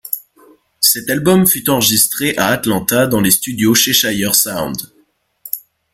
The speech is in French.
Cet album fut enregistré à Atlanta dans les studios Cheshire Sound.